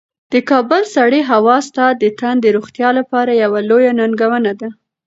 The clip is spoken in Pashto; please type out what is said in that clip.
د کابل سړې هوا ستا د تن د روغتیا لپاره یوه لویه ننګونه ده.